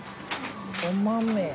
お豆。